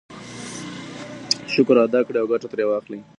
شکر ادا کړئ او ګټه ترې واخلئ.